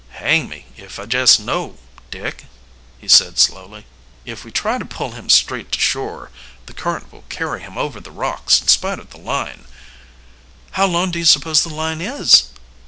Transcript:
"Hang me if I jess know, Dick," he said slowly. "If we try to pull him straight to shore the current will carry him over the rocks in spite of the line." "How long do you suppose the line is?"